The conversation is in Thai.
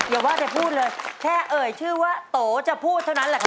อย่าว่าแต่พูดเลยแค่เอ่ยชื่อว่าโตจะพูดเท่านั้นแหละครับ